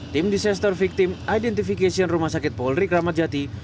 tim disaster victim identification rumah sakit polrik ramadjati